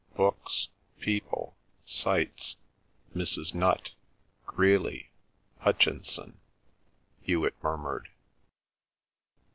"Books, people, sights—Mrs. Nutt, Greeley, Hutchinson," Hewet murmured.